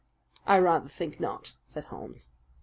"I rather think not," said Holmes.